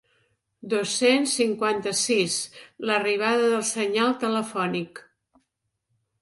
Dos-cents cinquanta-sis l'arribada del senyal telefònic.